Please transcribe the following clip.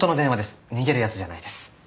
逃げるやつじゃないです。